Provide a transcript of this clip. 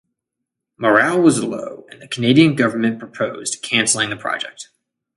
Morale was low and the Canadian Government proposed cancelling the project.